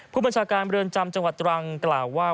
ผู้บัญชาการเรือนจำจังหวัดตรังกล่าวว่า